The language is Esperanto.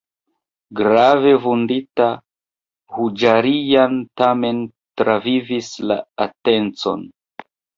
Grave vundita, Haĝarian tamen travivis la atencon.